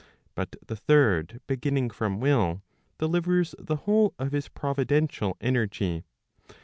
But the third beginning from will, delivers the whole of his providential energy.